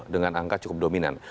dengan angka cukup dominan